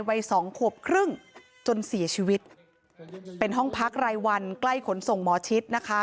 วัยสองขวบครึ่งจนเสียชีวิตเป็นห้องพักรายวันใกล้ขนส่งหมอชิดนะคะ